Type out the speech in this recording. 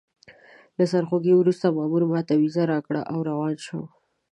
له سرخوږي وروسته مامور ماته ویزه راکړه او روان شوم.